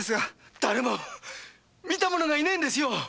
見た者がいないんですよ。